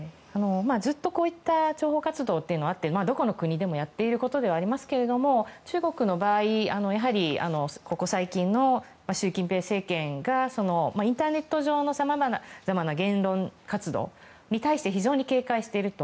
ずっとこうした諜報活動はあってどこの国でもやっていますが中国の場合ここ最近の習近平政権がインターネット上のさまざまな言論活動に対して非常に警戒していると。